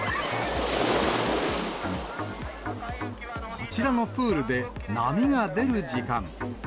こちらのプールで波が出る時間。